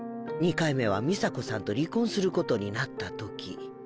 ２回目はミサコさんと離婚することになった時。